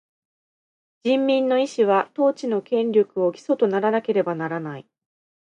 人民の意思は、統治の権力を基礎とならなければならない。